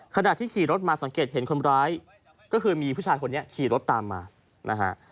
ขณะที่ขี่รถมาสังเกตเห็นคนร้ายก็คือมีผู้ชายคนนี้ขี่รถตามมานะฮะ